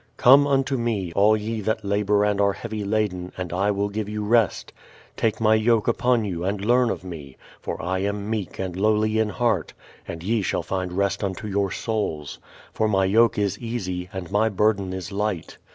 "Come unto me, all ye that labour and are heavy laden, and I will give you rest. Take my yoke upon you, and learn of me; for I am meek and lowly in heart: and ye shall find rest unto your souls. For my yoke is easy, and my burden is light."